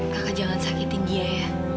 kakak jangan sakitin dia ya